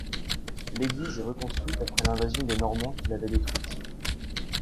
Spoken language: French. L'église est reconstruite après l'invasion des Normands qui l'avaient détruite.